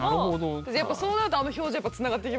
じゃやっぱそうなるとあの表情つながってきますね。